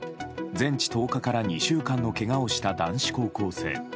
全治１０日から２週間のけがをした男子高校生。